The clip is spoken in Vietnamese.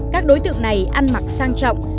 các đối tượng này ăn mặc sang trọng